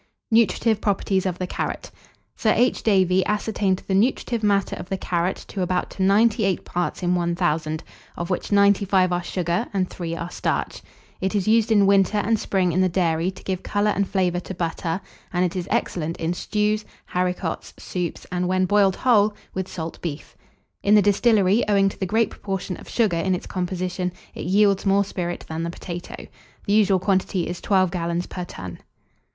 NUTRITIVE PROPERTIES OF THE CARROT. Sir H. Davy ascertained the nutritive matter of the carrot to amount to ninety eight parts in one thousand; of which ninety five are sugar and three are starch. It is used in winter and spring in the dairy to give colour and flavour to butter; and it is excellent in stews, haricots, soups, and, when boiled whole, with salt beef. In the distillery, owing to the great proportion of sugar in its composition, it yields more spirit than the potato. The usual quantity is twelve gallons per ton.